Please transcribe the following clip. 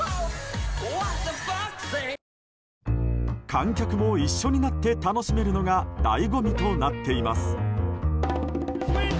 観客も一緒になって楽しめるのが醍醐味となっています。